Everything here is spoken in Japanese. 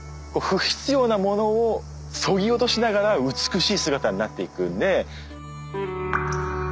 不必要なものをそぎ落としながら美しい姿になっていくんで。